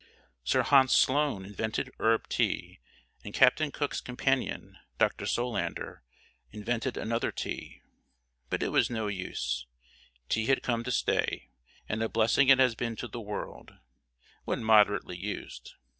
Sir Hans Sloane invented herb tea, and Captain Cook's companion, Dr. Solander, invented another tea, but it was no use tea had come to stay, and a blessing it has been to the world, when moderately used.